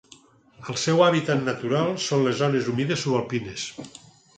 El seu hàbitat natural són les zones humides subalpines.